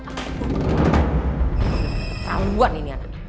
ketrawan ini anak